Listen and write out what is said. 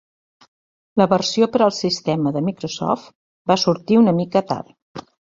La versió per al sistema de Microsoft va sortir una mica tard.